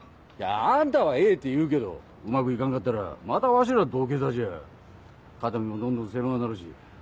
あんたはええって言うけどうまく行かんかったらまたわしら土下座じゃ肩身もどんどん狭ぁなるし。